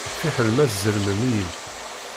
Fiḥel ma tzellmem-iyi-d.